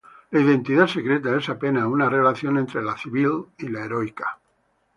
La identidad secreta es apenas una relación entre la civil y la heroica.